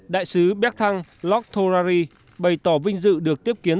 đại sứ béc thăng loc thorari bày tỏ vinh dự được tiếp kiến